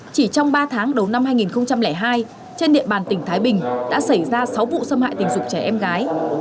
chỉ trong ba tháng đầu năm hai nghìn hai trên địa bàn tỉnh thái bình đã xảy ra sáu vụ xâm hại tình dục trẻ em gái